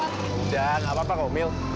udah gak apa apa komil